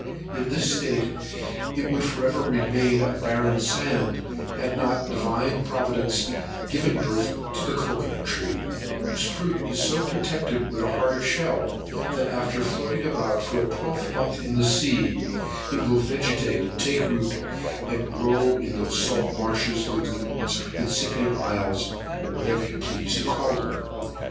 In this state it would for ever remain a barren sand, had not Divine Providence given birth to the cocoa nut tree, whose fruit is so protected with a hard shell, that after floating about for a twelve month in the sea, it will vegetate, take root, and grow in those salt marshes, lagoons, incipient islands, or what you please to call them.